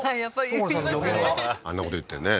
所さんの予言があんなこと言ってね